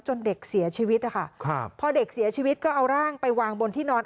เด็กเสียชีวิตนะคะครับพอเด็กเสียชีวิตก็เอาร่างไปวางบนที่นอน